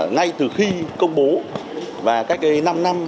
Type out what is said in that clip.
ngay từ khi công bố và cách ấy năm năm